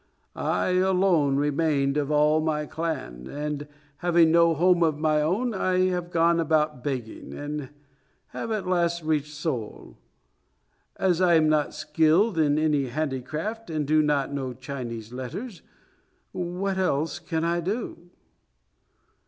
I alone remained of all my clan, and having no home of my own I have gone about begging, and have at last reached Seoul. As I am not skilled in any handicraft, and do not know Chinese letters, what else can I do?"